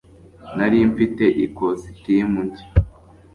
Nari mfite ikositimu nshya